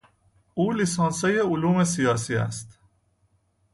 او لیسانسیهی علوم سیاسی است.